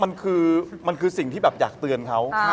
ไม่อันนี้มันคือสิ่งที่อยากเตือนเขา